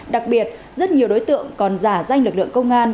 đặc biệt rất nhiều đối tượng còn giả danh lực lượng công an